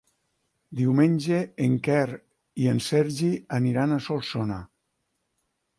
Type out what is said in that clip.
Diumenge en Quer i en Sergi aniran a Solsona.